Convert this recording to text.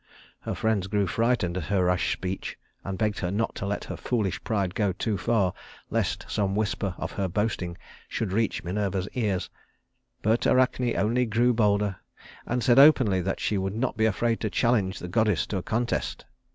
Her friends grew frightened at her rash speech, and begged her not to let her foolish pride go too far, lest some whisper of her boasting should reach Minerva's ears. But Arachne only grew bolder, and said openly that she would not be afraid to challenge the goddess to a contest.